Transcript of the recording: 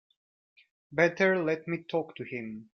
Better let me talk to him.